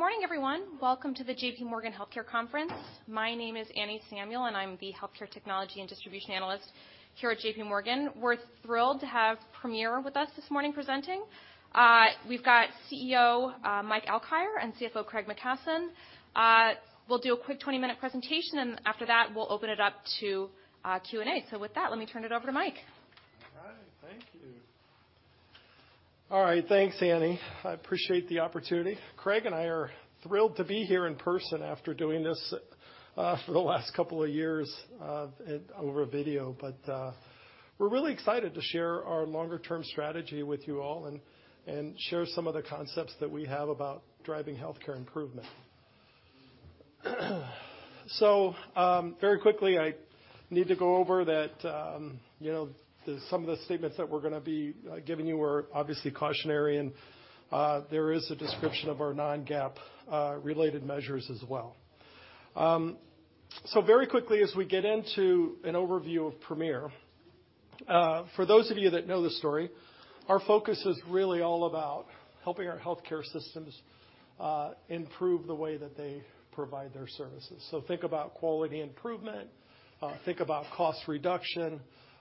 Good morning, everyone. Welcome to the JPMorgan Healthcare Conference. My name is Annie Samuel, and I'm the healthcare technology and distribution analyst here at JPMorgan. We're thrilled to have Premier with us this morning presenting. We've got CEO Mike Alkire and CFO Craig McKasson. We'll do a quick 20-minute presentation, and after that, we'll open it up to Q&A. With that, let me turn it over to Mike. All right. Thank you. All right. Thanks, Annie. I appreciate the opportunity. Craig and I are thrilled to be here in person after doing this for the last couple of years over a video. We're really excited to share our longer term strategy with you all and share some of the concepts that we have about driving healthcare improvement. Very quickly, I need to go over that, you know, some of the statements that we're gonna be giving you are obviously cautionary, and there is a description of our non-GAAP related measures as well. Very quickly as we get into an overview of Premier, for those of you that know the story, our focus is really all about helping our healthcare systems improve the way that they provide their services. Think about quality improvement, think about cost reduction.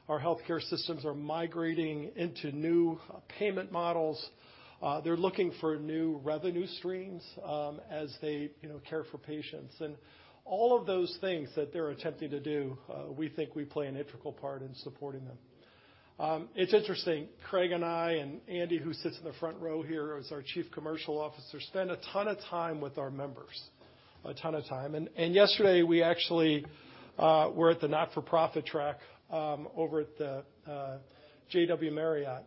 Our healthcare systems are migrating into new payment models. They're looking for new revenue streams, as they, you know, care for patients. All of those things that they're attempting to do, we think we play an integral part in supporting them. It's interesting, Craig and I, and Andy, who sits in the front row here as our Chief Commercial Officer, spend a ton of time with our members, a ton of time. Yesterday we actually were at the not-for-profit track over at the JW Marriott.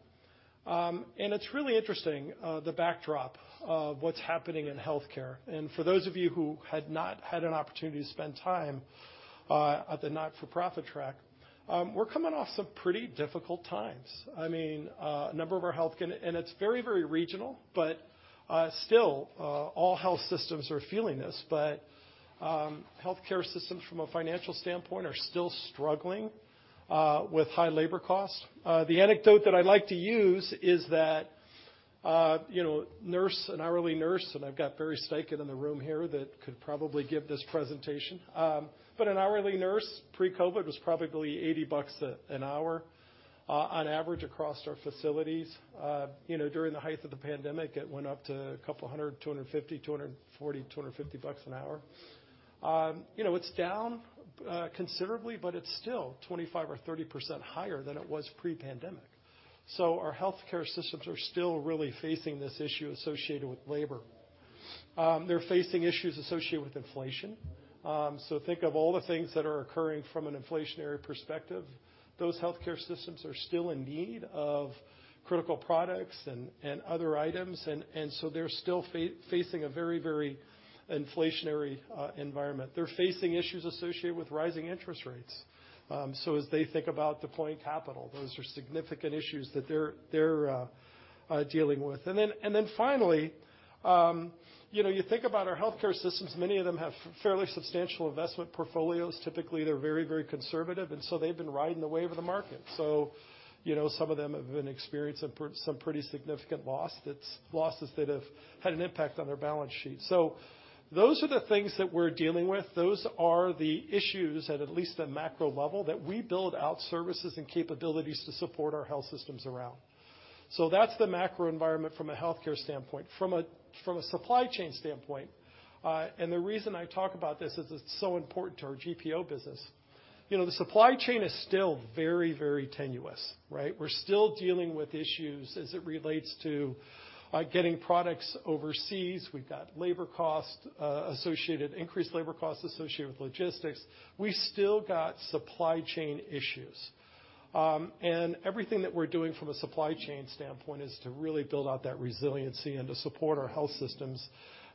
It's really interesting, the backdrop of what's happening in healthcare. For those of you who had not had an opportunity to spend time at the not-for-profit track, we're coming off some pretty difficult times. I mean, it's very, very regional, but still, all health systems are feeling this. Healthcare systems from a financial standpoint are still struggling with high labor costs. The anecdote that I like to use is that, you know, nurse, an hourly nurse, and I've got Barry Steiken in the room here that could probably give this presentation. An hourly nurse, pre-COVID, was probably $80 an hour on average across our facilities. You know, during the height of the pandemic, it went up to a couple hundred, $250, $240, $250 an hour. You know, it's down considerably, but it's still 25% or 30% higher than it was pre-pandemic. Our healthcare systems are still really facing this issue associated with labor. They're facing issues associated with inflation. Think of all the things that are occurring from an inflationary perspective. Those healthcare systems are still in need of critical products and other items, and so they're still facing a very, very inflationary environment. They're facing issues associated with rising interest rates. As they think about deploying capital, those are significant issues that they're dealing with. Then finally, you know, you think about our healthcare systems, many of them have fairly substantial investment portfolios. Typically, they're very, very conservative, and so they've been riding the wave of the market. you know, some of them have been experiencing some pretty significant loss. That's losses that have had an impact on their balance sheet. Those are the things that we're dealing with. Those are the issues at least the macro level that we build out services and capabilities to support our health systems around. That's the macro environment from a healthcare standpoint. From a Supply Chain standpoint, and the reason I talk about this is it's so important to our GPO business. You know, the Supply Chain is still very, very tenuous, right? We're still dealing with issues as it relates to getting products overseas. We've got labor costs, increased labor costs associated with logistics. We still got Supply Chain issues. Everything that we're doing from a Supply Chain standpoint is to really build out that resiliency and to support our health systems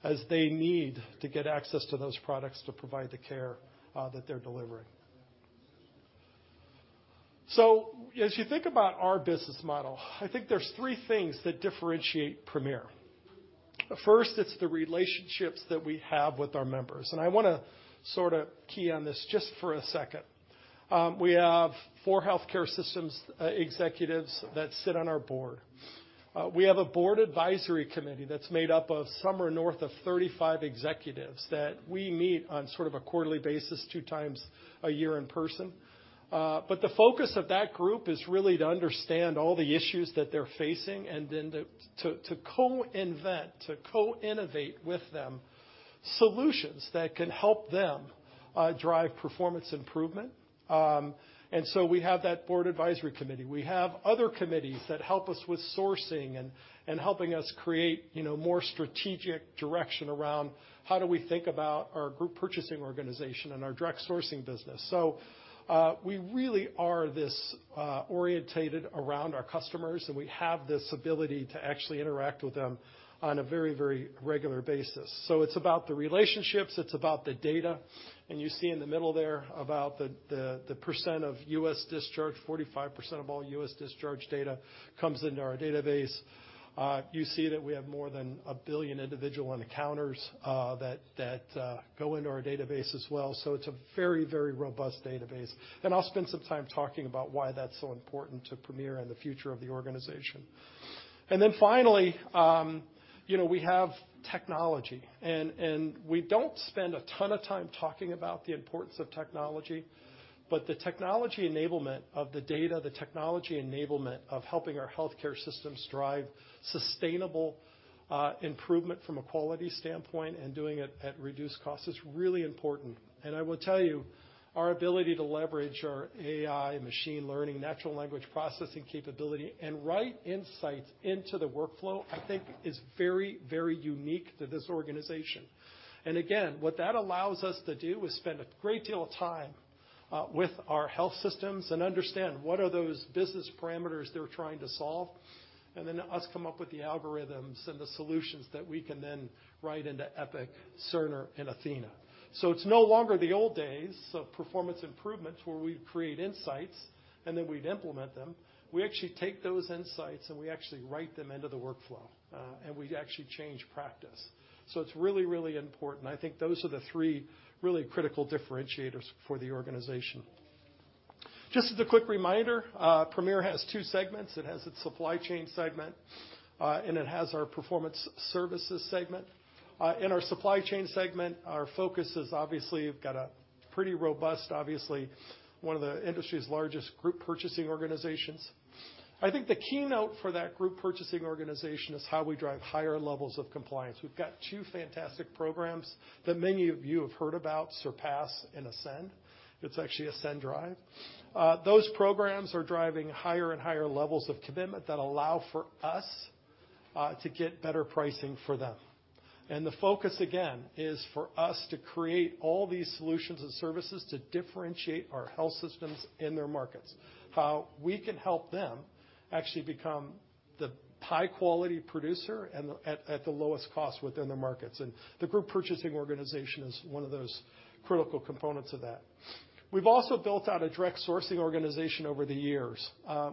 as they need to get access to those products to provide the care that they're delivering. As you think about our business model, I think there's three things that differentiate Premier. First, it's the relationships that we have with our members, and I want to sorta key on this just for a second. We have four healthcare systems, executives that sit on our board. We have a board advisory committee that's made up of somewhere north of 35 executives that we meet on sort of a quarterly basis two times a year in person. The focus of that group is really to understand all the issues that they're facing and then to co-invent, to co-innovate with them solutions that can help them drive performance improvement. We have that board advisory committee. We have other committees that help us with sourcing and helping us create, you know, more strategic direction around how do we think about our group purchasing organization and our direct sourcing business. We really are this orientated around our customers, and we have this ability to actually interact with them on a very, very regular basis. It's about the relationships. It's about the data. You see in the middle there about the percent of U.S. discharge, 45% of all U.S. discharge data comes into our database. You see that we have more than 1 billion individual encounters that go into our database as well. It's a very, very robust database. I'll spend some time talking about why that's so important to Premier and the future of the organization. Finally, you know, we have technology and we don't spend a ton of time talking about the importance of technology, but the technology enablement of the data, the technology enablement of helping our healthcare systems drive sustainable improvement from a quality standpoint and doing it at reduced cost is really important. I will tell you, our ability to leverage our AI, machine learning, natural language processing capability, and write insights into the workflow, I think is very, very unique to this organization. Again, what that allows us to do is spend a great deal of time with our health systems and understand what are those business parameters they're trying to solve, and then us come up with the algorithms and the solutions that we can then write into Epic, Cerner, and athenahealth. It's no longer the old days of performance improvements where we'd create insights and then we'd implement them. We actually take those insights, and we actually write them into the workflow, and we actually change practice. It's really, really important. I think those are the three really critical differentiators for the organization. Just as a quick reminder, Premier has two segments. It has its Supply Chain, and it has our Performance Services segment. In our Supply Chain, our focus is obviously we've got a pretty robust, obviously, one of the industry's largest group purchasing organizations. I think the keynote for that group purchasing organization is how we drive higher levels of compliance. We've got two fantastic programs that many of you have heard about, SURPASS and ASCEND. It's actually AscenDrive. Those programs are driving higher and higher levels of commitment that allow for us to get better pricing for them. The focus, again, is for us to create all these solutions and services to differentiate our health systems in their markets. How we can help them actually become the high-quality producer and at the lowest cost within their markets. The group purchasing organization is one of those critical components of that. We've also built out a direct sourcing organization over the years.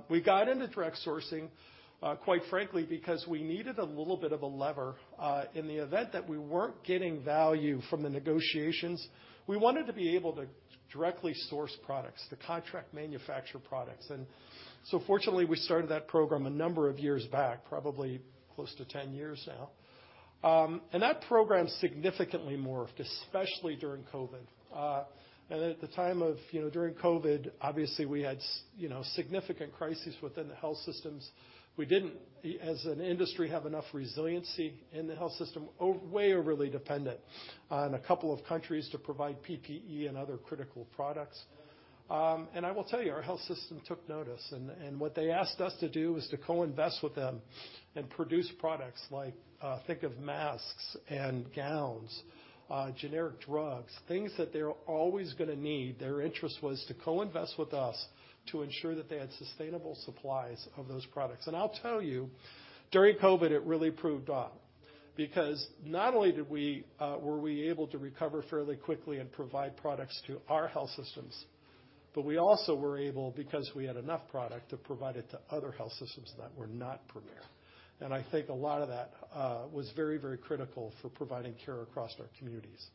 We got into direct sourcing, quite frankly, because we needed a little bit of a lever in the event that we weren't getting value from the negotiations. We wanted to be able to directly source products, to contract manufacture products. Fortunately, we started that program a number of years back, probably close to 10 years now. That program significantly morphed, especially during COVID. At the time of, you know, during COVID, obviously, we had you know, significant crises within the health systems. We didn't, as an industry, have enough resiliency in the health system. Way overly dependent on a couple of countries to provide PPE and other critical products. I will tell you, our health system took notice, what they asked us to do was to co-invest with them and produce products like, think of masks and gowns, generic drugs, things that they're always gonna need. Their interest was to co-invest with us to ensure that they had sustainable supplies of those products. I'll tell you, during COVID, it really proved on because not only did we, were we able to recover fairly quickly and provide products to our health systems, but we also were able, because we had enough product, to provide it to other health systems that were not Premier. I think a lot of that was very, very critical for providing care across our communities.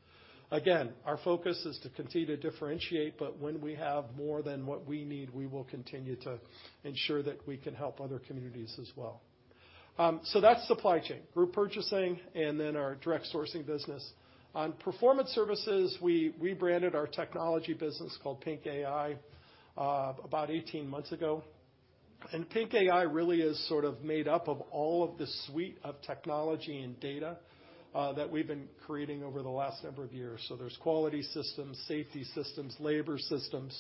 Our focus is to continue to differentiate, but when we have more than what we need, we will continue to ensure that we can help other communities as well. That's Supply Chain, group purchasing, and then our direct sourcing business. On Performance Services, we branded our technology business called PINC AI, about 18 months ago. PINC AI really is sort of made up of all of the suite of technology and data that we've been creating over the last number of years. There's quality systems, safety systems, labor systems,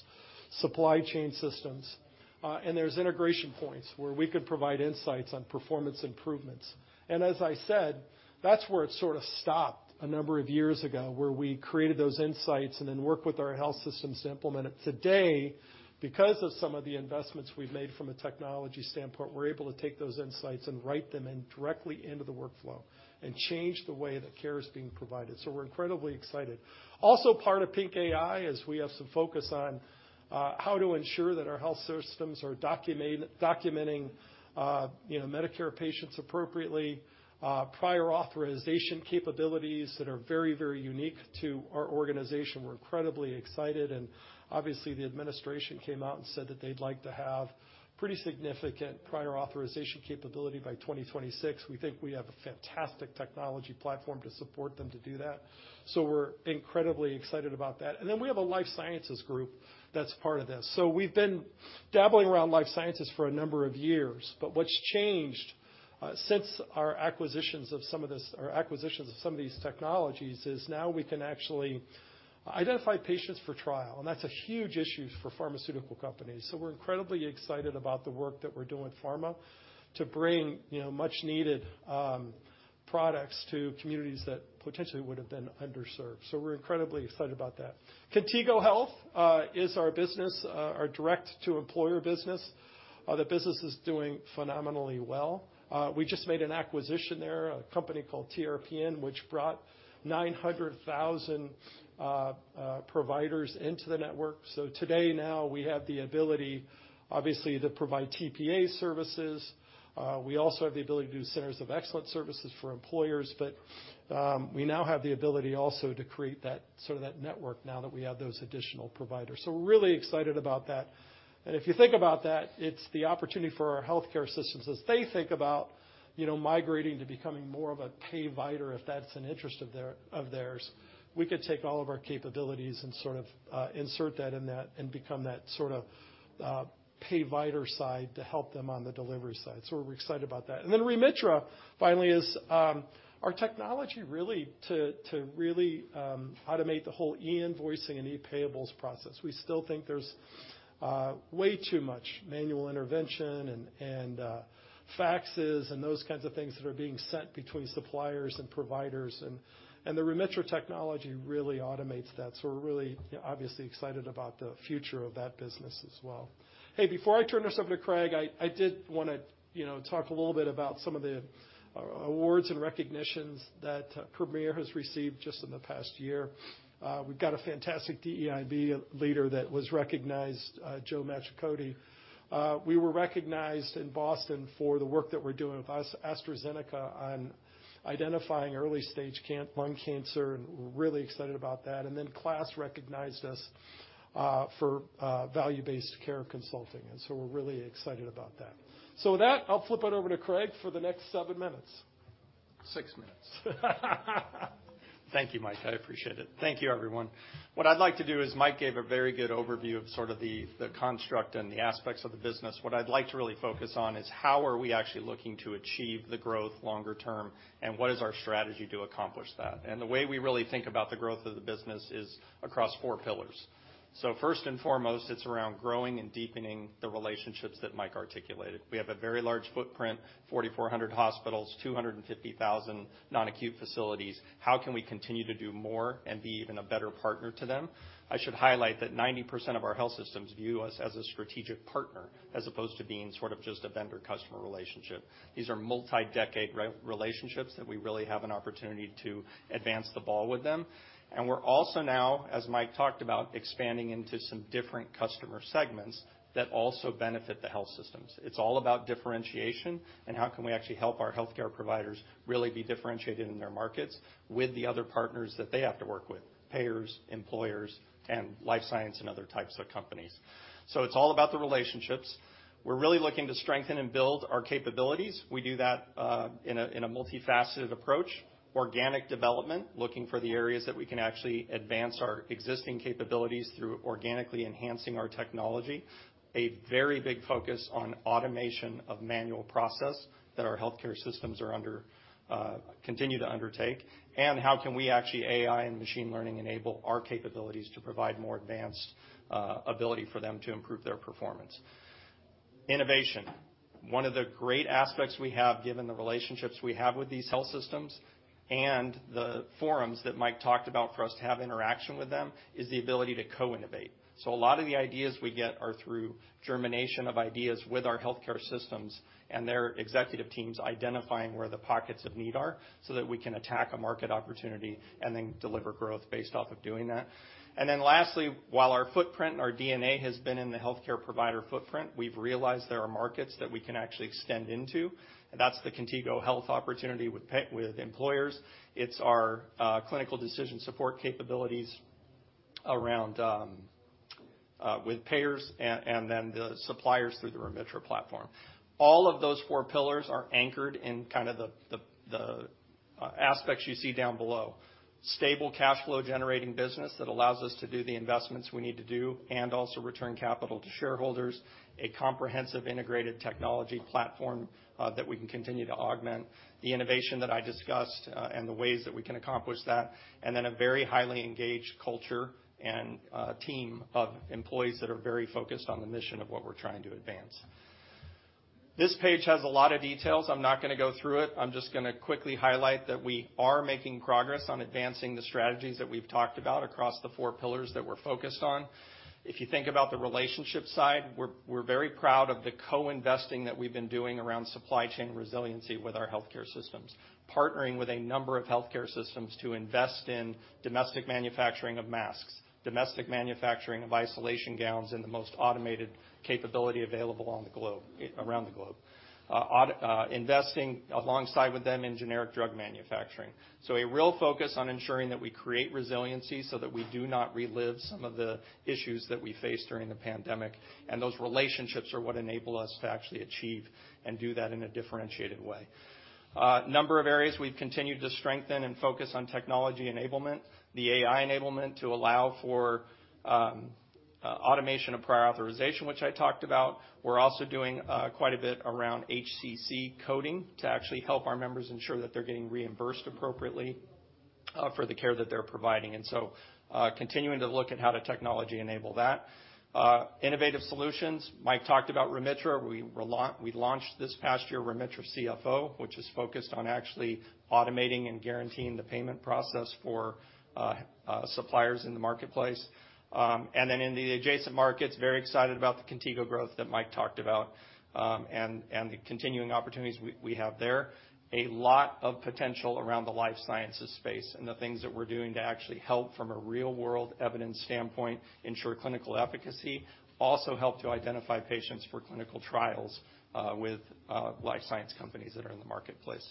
Supply Chain systems, and there's integration points where we could provide insights on performance improvements. As I said, that's where it sort of stopped a number of years ago, where we created those insights and then worked with our health systems to implement it. Today, because of some of the investments we've made from a technology standpoint, we're able to take those insights and write them in directly into the workflow and change the way that care is being provided. We're incredibly excited. Also part of PINC AI is we have some focus on how to ensure that our health systems are documenting, you know, Medicare patients appropriately, prior authorization capabilities that are very, very unique to our organization. We're incredibly excited and obviously, the administration came out and said that they'd like to have pretty significant prior authorization capability by 2026. We think we have a fantastic technology platform to support them to do that. We're incredibly excited about that. Then we have a life sciences group that's part of this. We've been dabbling around life sciences for a number of years, but what's changed since our acquisitions of some of these technologies is now we can actually identify patients for trial, and that's a huge issue for pharmaceutical companies. We're incredibly excited about the work that we're doing with pharma to bring, you know, much needed products to communities that potentially would have been underserved. We're incredibly excited about that. Contigo Health is our business, our direct to employer business. The business is doing phenomenally well. We just made an acquisition there, a company called TRPN, which brought 900,000 providers into the network. Today, now we have the ability, obviously, to provide TPA services. We also have the ability to do centers of excellence services for employers, but we now have the ability also to create that, sort of that network now that we have those additional providers. We're really excited about that. And if you think about that, it's the opportunity for our healthcare systems as they think about, you know, migrating to becoming more of a payvider, if that's an interest of their, of theirs. We could take all of our capabilities and sort of insert that in that and become that sort of payvider side to help them on the delivery side. We're excited about that. Remitra, finally, is our technology really to really automate the whole e-invoicing and e-payables process. We still think there's way too much manual intervention and faxes and those kinds of things that are being sent between suppliers and providers, and the Remitra technology really automates that. We're really, obviously, excited about the future of that business as well. Hey, before I turn this over to Craig, I did wanna, you know, talk a little bit about some of the awards and recognitions that Premier has received just in the past year. We've got a fantastic DEIB leader that was recognized, Joe Machicote. We were recognized in Boston for the work that we're doing with AstraZeneca on identifying early-stage lung cancer, and we're really excited about that. KLAS recognized us for value-based care consulting, we're really excited about that. With that, I'll flip it over to Craig for the next seven minutes. 6 minutes. Thank you, Mike. I appreciate it. Thank you, everyone. What I'd like to do is Mike gave a very good overview of sort of the construct and the aspects of the business. What I'd like to really focus on is how are we actually looking to achieve the growth longer term, and what is our strategy to accomplish that? The way we really think about the growth of the business is across four pillars. First and foremost, it's around growing and deepening the relationships that Mike articulated. We have a very large footprint, 4,400 hospitals, 250,000 non-acute facilities. How can we continue to do more and be even a better partner to them? I should highlight that 90% of our health systems view us as a strategic partner, as opposed to being sort of just a vendor-customer relationship. These are multi-decade re-relationships that we really have an opportunity to advance the ball with them. We're also now, as Mike talked about, expanding into some different customer segments that also benefit the health systems. It's all about differentiation and how can we actually help our healthcare providers really be differentiated in their markets with the other partners that they have to work with, payers, employers, and life science, and other types of companies. It's all about the relationships. We're really looking to strengthen and build our capabilities. We do that in a multifaceted approach. Organic development, looking for the areas that we can actually advance our existing capabilities through organically enhancing our technology. A very big focus on automation of manual process that our healthcare systems continue to undertake, and how can we actually AI and machine learning enable our capabilities to provide more advanced ability for them to improve their performance. Innovation. One of the great aspects we have, given the relationships we have with these health systems and the forums that Mike talked about for us to have interaction with them, is the ability to co-innovate. A lot of the ideas we get are through germination of ideas with our healthcare systems and their executive teams identifying where the pockets of need are, so that we can attack a market opportunity and then deliver growth based off of doing that. Lastly, while our footprint and our DNA has been in the healthcare provider footprint, we've realized there are markets that we can actually extend into. That's the Contigo Health opportunity with employers. It's our clinical decision support capabilities around with payers and then the suppliers through the Remitra platform. All of those four pillars are anchored in kind of the aspects you see down below. Stable cash flow generating business that allows us to do the investments we need to do and also return capital to shareholders. A comprehensive integrated technology platform that we can continue to augment. The innovation that I discussed and the ways that we can accomplish that, and then a very highly engaged culture and team of employees that are very focused on the mission of what we're trying to advance. This page has a lot of details. I'm not gonna go through it. I'm just gonna quickly highlight that we are making progress on advancing the strategies that we've talked about across the four pillars that we're focused on. If you think about the relationship side, we're very proud of the co-investing that we've been doing around Supply Chain resiliency with our healthcare systems. Partnering with a number of healthcare systems to invest in domestic manufacturing of masks, domestic manufacturing of isolation gowns in the most automated capability available on the globe, around the globe, investing alongside with them in generic drug manufacturing. A real focus on ensuring that we create resiliency so that we do not relive some of the issues that we faced during the pandemic, and those relationships are what enable us to actually achieve and do that in a differentiated way. A number of areas we've continued to strengthen and focus on technology enablement. The AI enablement to allow for automation of prior authorization, which I talked about. We're also doing quite a bit around HCC coding to actually help our members ensure that they're getting reimbursed appropriately for the care that they're providing. Continuing to look at how to technology enable that. Innovative solutions. Mike talked about Remitra. We launched this past year Remitra CFO, which is focused on actually automating and guaranteeing the payment process for suppliers in the marketplace. In the adjacent markets, very excited about the Contigo growth that Mike talked about, and the continuing opportunities we have there. A lot of potential around the life sciences space and the things that we're doing to actually help from a real-world evidence standpoint ensure clinical efficacy, also help to identify patients for clinical trials, with life science companies that are in the marketplace.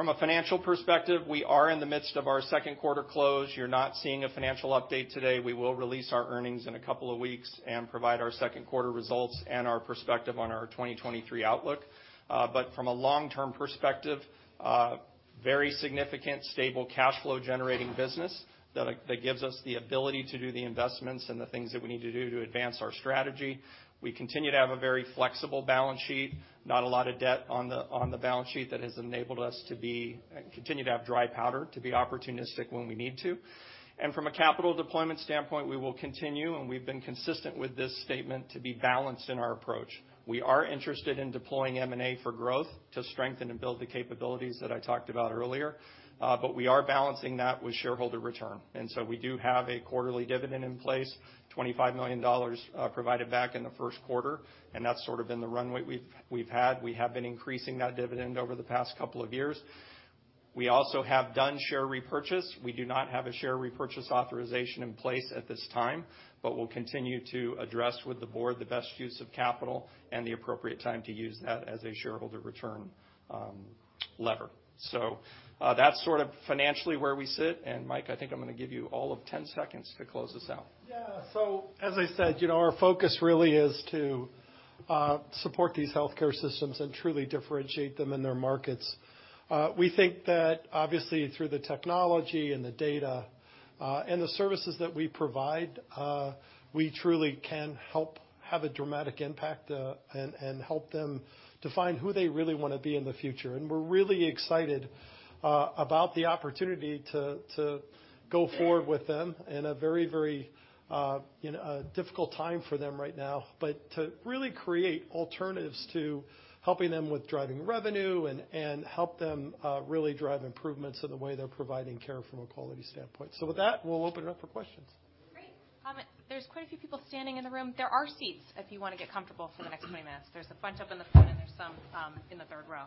From a financial perspective, we are in the midst of our second quarter close. You're not seeing a financial update today. We will release our earnings in a couple of weeks and provide our second quarter results and our perspective on our 2023 outlook. From a long-term perspective, very significant stable cash flow generating business that gives us the ability to do the investments and the things that we need to do to advance our strategy. We continue to have a very flexible balance sheet, not a lot of debt on the balance sheet that has enabled us to continue to have dry powder, to be opportunistic when we need to. From a capital deployment standpoint, we will continue, and we've been consistent with this statement to be balanced in our approach. We are interested in deploying M&A for growth to strengthen and build the capabilities that I talked about earlier. We are balancing that with shareholder return. We do have a quarterly dividend in place, $25 million, provided back in the first quarter, and that's sort of been the runway we've had. We have been increasing that dividend over the past couple of years. We also have done share repurchase. We do not have a share repurchase authorization in place at this time, but we'll continue to address with the board the best use of capital and the appropriate time to use that as a shareholder return, lever. That's sort of financially where we sit. Mike, I think I'm gonna give you all of 10 seconds to close this out. Yeah. As I said, you know, our focus really is to support these healthcare systems and truly differentiate them in their markets. We think that obviously through the technology and the data, and the services that we provide, we truly can help have a dramatic impact, and help them define who they really wanna be in the future. We're really excited about the opportunity to go forward with them in a very, very, you know, a difficult time for them right now. To really create alternatives to helping them with driving revenue and help them really drive improvements in the way they're providing care from a quality standpoint. With that, we'll open it up for questions. Great. There's quite a few people standing in the room. There are seats if you wanna get comfortable for the next 20 minutes. There's a bunch up in the front and there's some in the third row.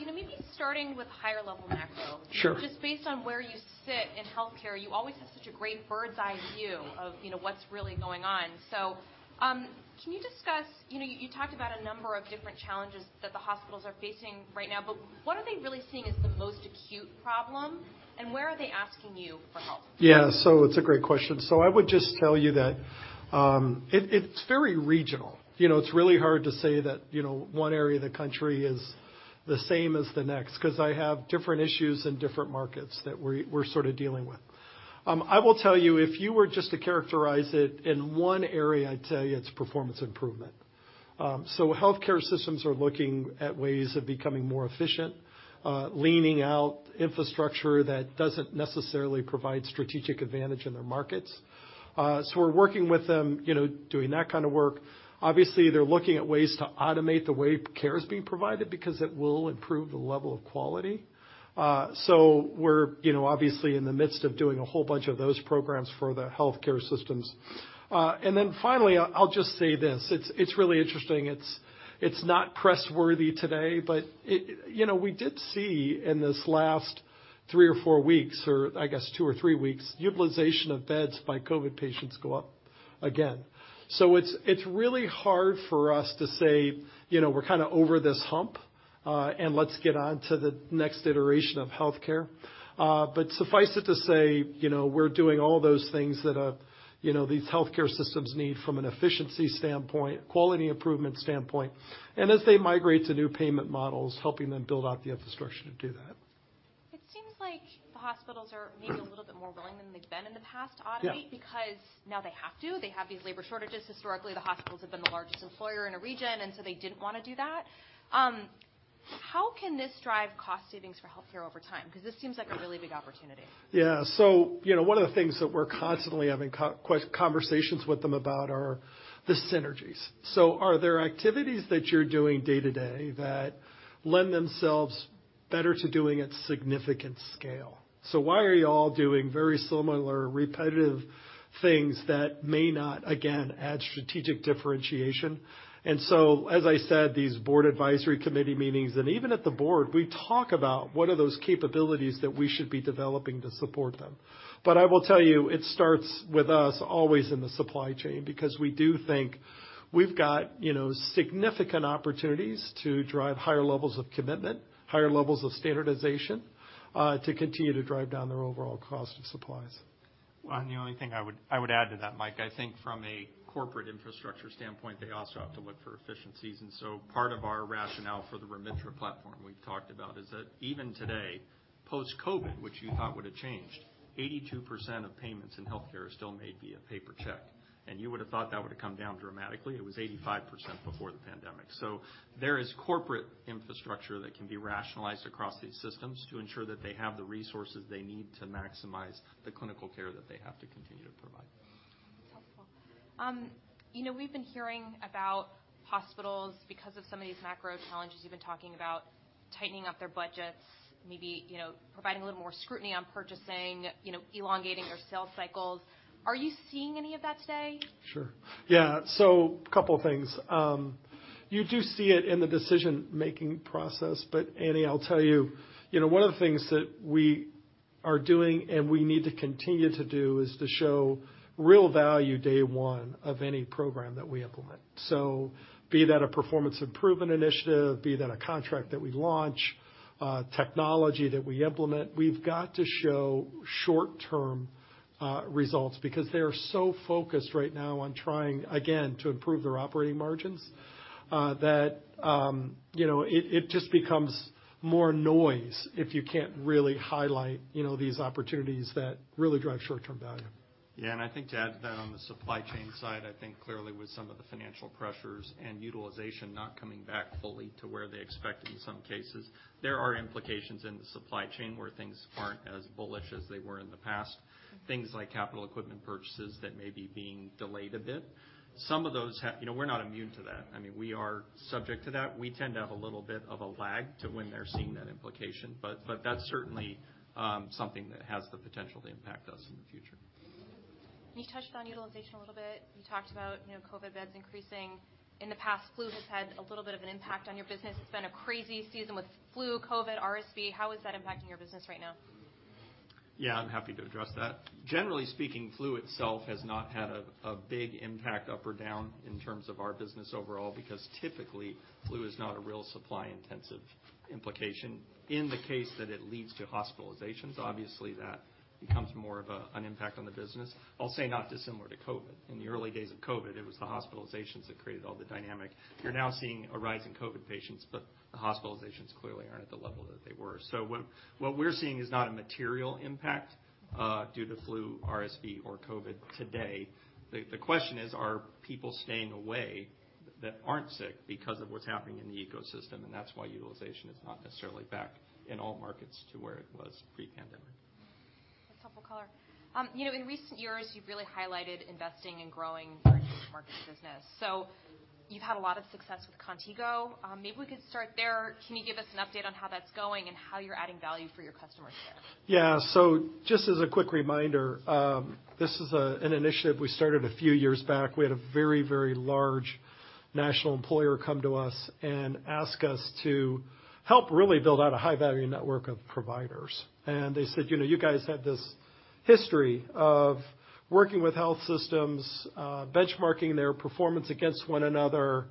You know, maybe starting with higher level macro- Sure. Just based on where you sit in healthcare, you always have such a great bird's-eye view of, you know, what's really going on. Can you discuss, you know, you talked about a number of different challenges that the hospitals are facing right now, but what are they really seeing as the most acute problem, and where are they asking you for help? Yeah. It's a great question. I would just tell you that it's very regional. You know, it's really hard to say that, you know, one area of the country is the same as the next, 'cause I have different issues in different markets that we're sort of dealing with. I will tell you, if you were just to characterize it in one area, I'd tell you it's performance improvement. Healthcare systems are looking at ways of becoming more efficient, leaning out infrastructure that doesn't necessarily provide strategic advantage in their markets. We're working with them, you know, doing that kind of work. Obviously, they're looking at ways to automate the way care is being provided because it will improve the level of quality. We're, you know, obviously in the midst of doing a whole bunch of those programs for the healthcare systems. Finally, I'll just say this, it's really interesting. It's, it's not press worthy today. You know, we did see in this last three or four weeks, or I guess two or three weeks, utilization of beds by COVID patients go up again. It's, it's really hard for us to say, you know, we're kind of over this hump. Let's get on to the next iteration of healthcare. Suffice it to say, you know, we're doing all those things that, you know, these healthcare systems need from an efficiency standpoint, quality improvement standpoint. As they migrate to new payment models, helping them build out the infrastructure to do that. It seems like the hospitals are maybe a little bit more willing than they've been in the past to automate. Yeah. Because now they have to. They have these labor shortages. Historically, the hospitals have been the largest employer in a region, and so they didn't wanna do that. How can this drive cost savings for healthcare over time? 'Cause this seems like a really big opportunity. You know, one of the things that we're constantly having conversations with them about are the synergies. Are there activities that you're doing day-to-day that lend themselves better to doing at significant scale? Why are you all doing very similar repetitive things that may not, again, add strategic differentiation? As I said, these board advisory committee meetings, and even at the board, we talk about what are those capabilities that we should be developing to support them. I will tell you, it starts with us always in the Supply Chain, because we do think we've got, you know, significant opportunities to drive higher levels of commitment, higher levels of standardization, to continue to drive down their overall cost of supplies. The only thing I would add to that, Mike, I think from a corporate infrastructure standpoint, they also have to look for efficiencies. Part of our rationale for the Remitra platform we've talked about is that even today, post-COVID, which you thought would have changed, 82% of payments in healthcare are still made via paper check. You would have thought that would have come down dramatically. It was 85% before the pandemic. There is corporate infrastructure that can be rationalized across these systems to ensure that they have the resources they need to maximize the clinical care that they have to continue to provide. That's helpful. you know, we've been hearing about hospitals, because of some of these macro challenges you've been talking about, tightening up their budgets, maybe, you know, providing a little more scrutiny on purchasing, you know, elongating their sales cycles. Are you seeing any of that today? Sure. Yeah. Couple things. You do see it in the decision-making process, but Annie, I'll tell you know, one of the things that we are doing and we need to continue to do is to show real value day one of any program that we implement. Be that a performance improvement initiative, be that a contract that we launch, technology that we implement, we've got to show short-term results because they are so focused right now on trying, again, to improve their operating margins, that, you know, it just becomes more noise if you can't really highlight, you know, these opportunities that really drive short-term value. Yeah. I think to add to that on the Supply Chain side, I think clearly with some of the financial pressures and utilization not coming back fully to where they expect in some cases, there are implications in the Supply Chain where things aren't as bullish as they were in the past. Things like capital equipment purchases that may be being delayed a bit. You know, we're not immune to that. I mean, we are subject to that. We tend to have a little bit of a lag to when they're seeing that implication, but that's certainly something that has the potential to impact us in the future. You touched on utilization a little bit. You talked about, you know, COVID beds increasing. In the past, flu has had a little bit of an impact on your business. It's been a crazy season with flu, COVID, RSV. How is that impacting your business right now? Yeah, I'm happy to address that. Generally speaking, flu itself has not had a big impact up or down in terms of our business overall, because typically, flu is not a real supply intensive implication. In the case that it leads to hospitalizations, obviously, that becomes more of an impact on the business. I'll say not dissimilar to COVID. In the early days of COVID, it was the hospitalizations that created all the dynamic. You're now seeing a rise in COVID patients, but the hospitalizations clearly aren't at the level that they were. What we're seeing is not a material impact due to flu, RSV or COVID today. The question is, are people staying away that aren't sick because of what's happening in the ecosystem? That's why utilization is not necessarily back in all markets to where it was pre-pandemic. That's helpful color. you know, in recent years, you've really highlighted investing and growing your managed markets business. You've had a lot of success with Contigo. maybe we could start there. Can you give us an update on how that's going and how you're adding value for your customers there? Yeah. Just as a quick reminder, this is an initiative we started a few years back. We had a very, very large national employer come to us and ask us to help really build out a high value network of providers. They said, "You know, you guys have this history of working with health systems, benchmarking their performance against one another,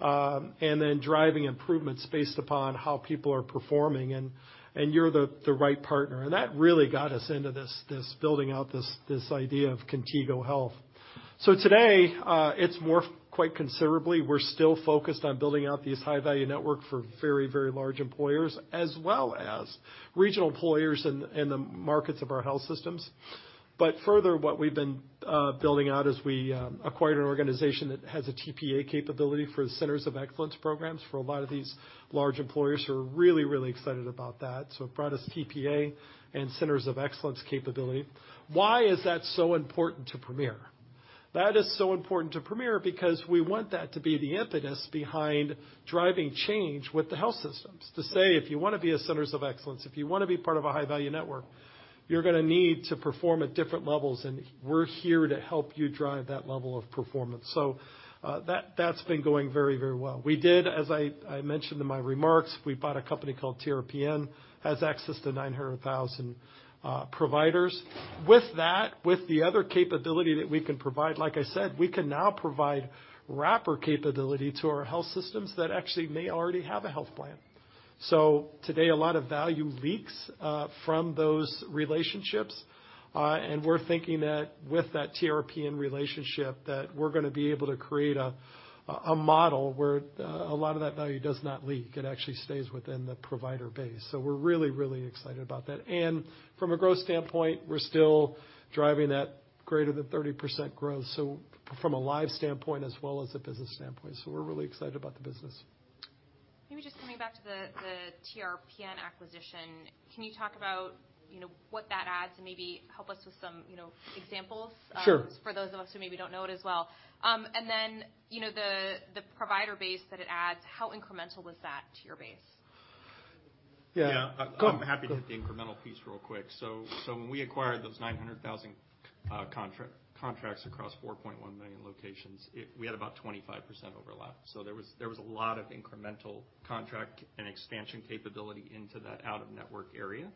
and then driving improvements based upon how people are performing, and you're the right partner." That really got us into this building out this idea of Contigo Health. Today, it's morphed quite considerably. We're still focused on building out these high value network for very, very large employers, as well as regional employers in the markets of our health systems. Further, what we've been building out is we acquired an organization that has a TPA capability for centers of excellence programs for a lot of these large employers who are really, really excited about that. It brought us TPA and centers of excellence capability. Why is that so important to Premier? That is so important to Premier because we want that to be the impetus behind driving change with the health systems. To say, if you wanna be a centers of excellence, if you wanna be part of a high value network, you're gonna need to perform at different levels, and we're here to help you drive that level of performance. That's been going very, very well. We did, as I mentioned in my remarks, we bought a company called TRPN, has access to 900,000 providers. With that, with the other capability that we can provide, like I said, we can now provide wrapper capability to our health systems that actually may already have a health plan. Today, a lot of value leaks from those relationships. We're thinking that with that TRPN relationship, that we're gonna be able to create a model where a lot of that value does not leak. It actually stays within the provider base. We're really, really excited about that. From a growth standpoint, we're still driving that greater than 30% growth. From a live standpoint as well as a business standpoint. We're really excited about the business. Maybe just coming back to the TRPN acquisition. Can you talk about, you know, what that adds and maybe help us with some, you know, examples? Sure. For those of us who maybe don't know it as well. You know, the provider base that it adds, how incremental was that to your base? Yeah. Go. I'm happy to hit the incremental piece real quick. When we acquired those 900,000 contracts across 4.1 million locations, we had about 25% overlap. There was a lot of incremental contract and expansion capability into that out-of-network area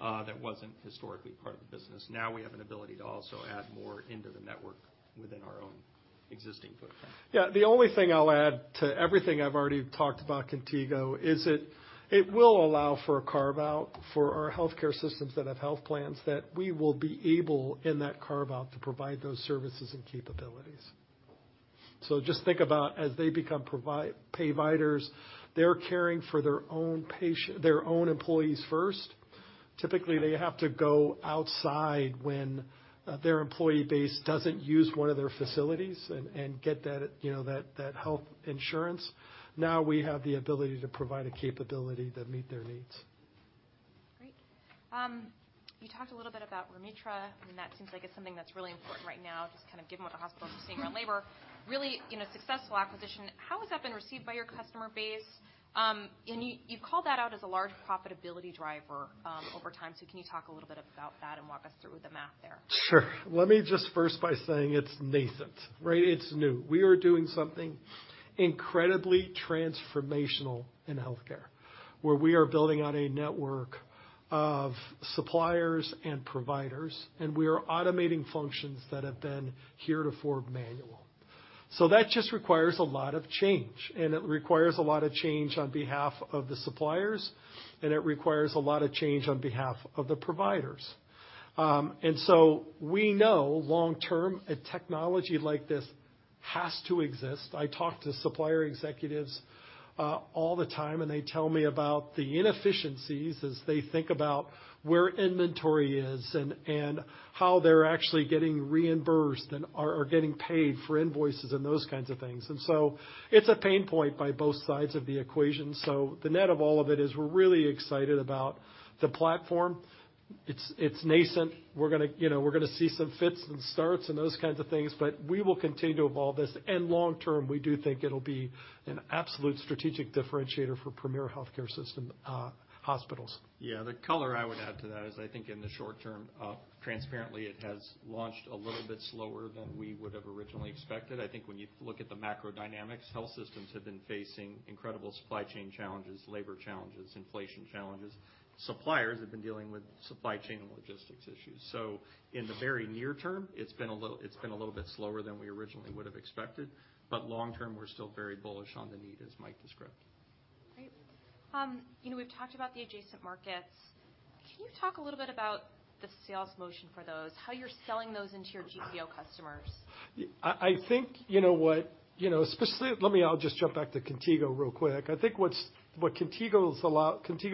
that wasn't historically part of the business. Now we have an ability to also add more into the network within our own existing footprint. Yeah. The only thing I'll add to everything I've already talked about Contigo is it will allow for a carve-out for our healthcare systems that have health plans that we will be able in that carve out to provide those services and capabilities. Just think about as they become payviders, they're caring for their own employees first. Typically, they have to go outside when their employee base doesn't use one of their facilities and get that, you know, that health insurance. Now we have the ability to provide a capability that meet their needs. Great. You talked a little bit about Remitra, and that seems like it's something that's really important right now, just kind of given what the hospitals are seeing around labor. Really, you know, successful acquisition. How has that been received by your customer base? You, you called that out as a large profitability driver over time. Can you talk a little bit about that and walk us through the math there? Sure. Let me just first by saying it's nascent, right? It's new. We are doing something incredibly transformational in healthcare. Where we are building out a network of suppliers and providers, and we are automating functions that have been heretofore manual. That just requires a lot of change, and it requires a lot of change on behalf of the suppliers, and it requires a lot of change on behalf of the providers. We know long-term, a technology like this has to exist. I talk to supplier executives all the time, and they tell me about the inefficiencies as they think about where inventory is and how they're actually getting reimbursed and are getting paid for invoices and those kinds of things. It's a pain point by both sides of the equation. The net of all of it is we're really excited about the platform. It's nascent. We're gonna, you know, we're gonna see some fits and starts and those kinds of things, but we will continue to evolve this. Long term, we do think it'll be an absolute strategic differentiator for Premier Healthcare System hospitals. Yeah, the color I would add to that is I think in the short term, transparently it has launched a little bit slower than we would have originally expected. I think when you look at the macro dynamics, health systems have been facing incredible Supply Chain challenges, labor challenges, inflation challenges. Suppliers have been dealing with Supply Chain and logistics issues. In the very near term, it's been a little bit slower than we originally would have expected, but long term, we're still very bullish on the need, as Mike described. Great. You know, we've talked about the adjacent markets. Can you talk a little bit about the sales motion for those, how you're selling those into your GPO customers? I think, you know what, you know, especially. Let me. I'll just jump back to Contigo real quick. I think Contigo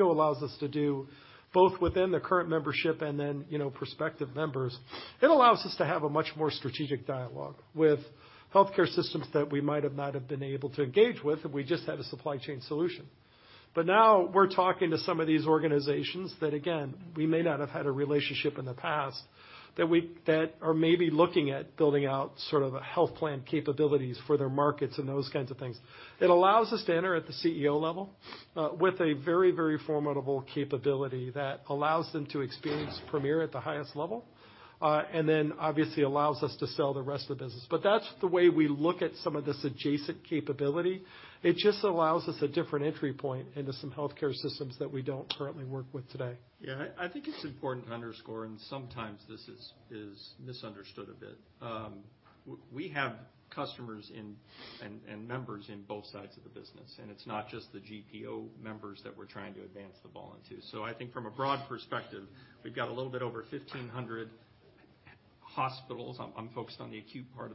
allows us to do, both within the current membership and then, you know, prospective members, it allows us to have a much more strategic dialogue with healthcare systems that we might have not have been able to engage with if we just had a Supply Chain solution. Now we're talking to some of these organizations that, again, we may not have had a relationship in the past, that are maybe looking at building out sort of a health plan capabilities for their markets and those kinds of things. It allows us to enter at the CEO level, with a very, very formidable capability that allows them to experience Premier at the highest level, and then obviously allows us to sell the rest of the business. That's the way we look at some of this adjacent capability. It just allows us a different entry point into some healthcare systems that we don't currently work with today. Yeah. I think it's important to underscore, and sometimes this is misunderstood a bit, we have customers in and members in both sides of the business, and it's not just the GPO members that we're trying to advance the ball into. I think from a broad perspective, we've got a little bit over 1,500 hospitals, I'm focused on the acute part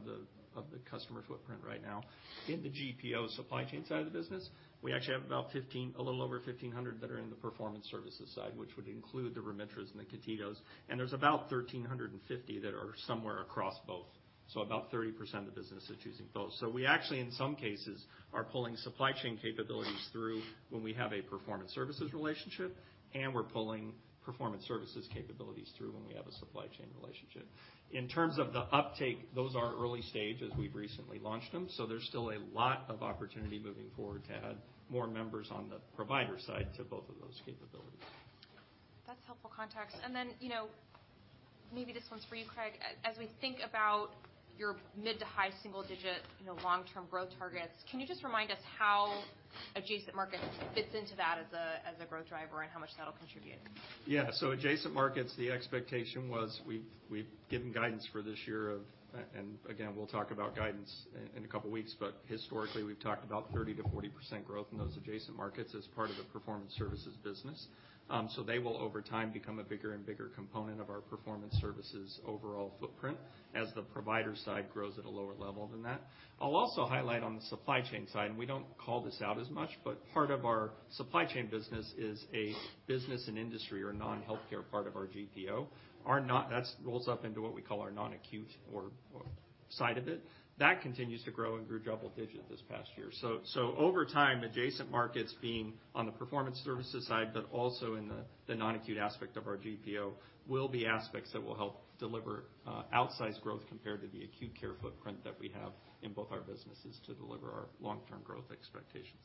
of the customer footprint right now, in the GPO Supply Chain side of the business. We actually have about 1,500, a little over 1,500 that are in the Performance Services side, which would include the Remitras and the Contigos, and there's about 1,350 that are somewhere across both. About 30% of the business is choosing both. We actually, in some cases, are pulling Supply Chain capabilities through when we have a Performance Services relationship, and we're pulling Performance Services capabilities through when we have a Supply Chain relationship. In terms of the uptake, those are early stage as we've recently launched them, so there's still a lot of opportunity moving forward to add more members on the provider side to both of those capabilities. That's helpful context. You know, maybe this one's for you, Craig. As we think about your mid to high single digit, you know, long-term growth targets, can you just remind us how adjacent markets fits into that as a, as a growth driver, and how much that'll contribute? Adjacent markets, the expectation was we've given guidance for this year of... And again, we'll talk about guidance in two weeks, historically, we've talked about 30%-40% growth in those adjacent markets as part of the Performance Services business. They will, over time, become a bigger and bigger component of our Performance Services overall footprint as the provider side grows at a lower level than that. I'll also highlight on the Supply Chain side, we don't call this out as much, part of our Supply Chain business is a business and industry or non-healthcare part of our GPO. That rolls up into what we call our non-acute or side of it. That continues to grow and grew double-digit this past year. Over time, adjacent markets being on the Performance Services side, but also in the non-acute aspect of our GPO, will be aspects that will help deliver outsized growth compared to the acute care footprint that we have in both our businesses to deliver our long-term growth expectations.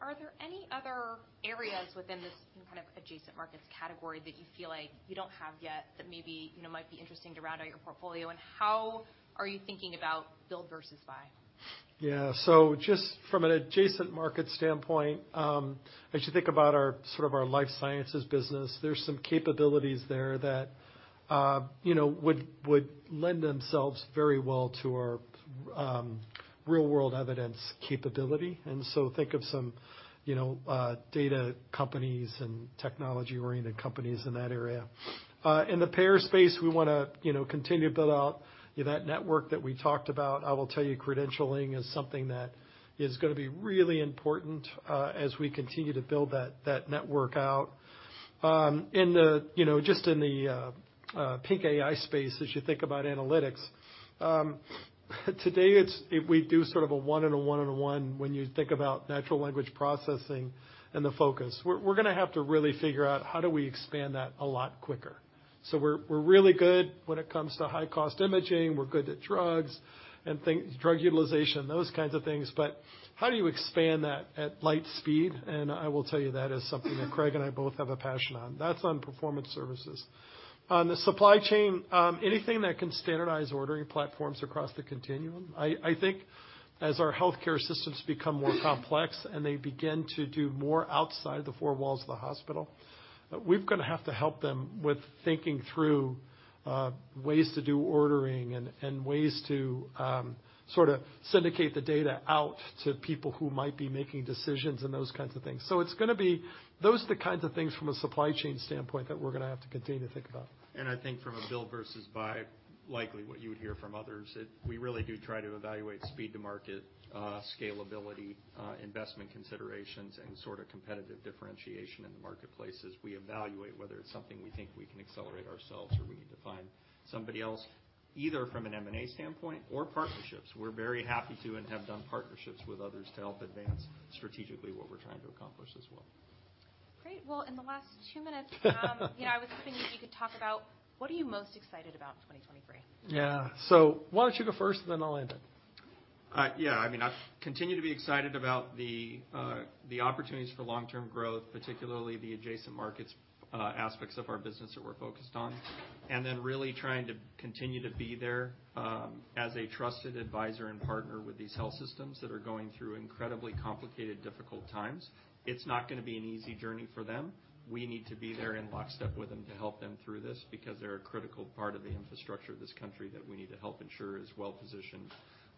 Are there any other areas within this kind of adjacent markets category that you feel like you don't have yet that maybe, you know, might be interesting to round out your portfolio, and how are you thinking about build versus buy? Just from an adjacent market standpoint, as you think about our sort of our life sciences business, there's some capabilities there that, you know, would lend themselves very well to our real-world evidence capability. So think of some, you know, data companies and technology-oriented companies in that area. In the payer space, we wanna, you know, continue to build out that network that we talked about. I will tell you, credentialing is something that is gonna be really important, as we continue to build that network out. In the, you know, just in the PINC AI space, as you think about analytics, today it's, we do sort of a one and a one and a one when you think about natural language processing and the focus. We're gonna have to really figure out, how do we expand that a lot quicker? We're really good when it comes to high cost imaging, we're good at drugs and drug utilization, those kinds of things. How do you expand that at light speed? I will tell you that is something that Craig and I both have a passion on. That's on Performance Services. On the Supply Chain, anything that can standardize ordering platforms across the continuum. As our healthcare systems become more complex and they begin to do more outside the four walls of the hospital, we're gonna have to help them with thinking through ways to do ordering and ways to sort of syndicate the data out to people who might be making decisions and those kinds of things. It's gonna be. Those are the kinds of things from a Supply Chain standpoint that we're gonna have to continue to think about. I think from a build versus buy, likely what you would hear from others, that we really do try to evaluate speed to market, scalability, investment considerations, and sort of competitive differentiation in the marketplace as we evaluate whether it's something we think we can accelerate ourselves or we need to find somebody else, either from an M&A standpoint or partnerships. We're very happy to and have done partnerships with others to help advance strategically what we're trying to accomplish as well. Great. Well, in the last two minutes, you know, I was hoping that you could talk about what are you most excited about in 2023? Yeah. Why don't you go first, then I'll end it. Yeah, I mean, I continue to be excited about the opportunities for long-term growth, particularly the adjacent markets, aspects of our business that we're focused on. Really trying to continue to be there as a trusted advisor and partner with these health systems that are going through incredibly complicated, difficult times. It's not gonna be an easy journey for them. We need to be there in lockstep with them to help them through this, because they're a critical part of the infrastructure of this country that we need to help ensure is well-positioned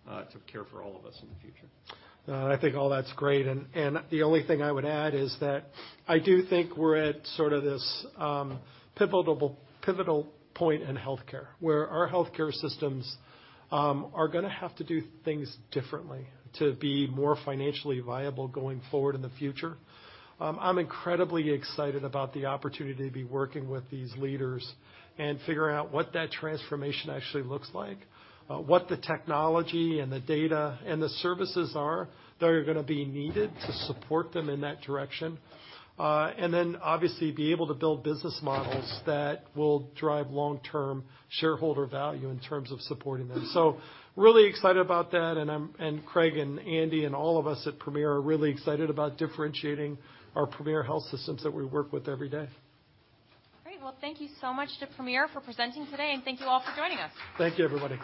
to care for all of us in the future. I think all that's great, and the only thing I would add is that I do think we're at sort of this pivotal point in healthcare, where our healthcare systems are gonna have to do things differently to be more financially viable going forward in the future. I'm incredibly excited about the opportunity to be working with these leaders and figuring out what that transformation actually looks like, what the technology and the data and the services are that are gonna be needed to support them in that direction. Obviously be able to build business models that will drive long-term shareholder value in terms of supporting them. Really excited about that, and I'm, and Craig and Andy and all of us at Premier are really excited about differentiating our Premier Health systems that we work with every day. Great. Well, thank you so much to Premier for presenting today, and thank you all for joining us. Thank you, everybody.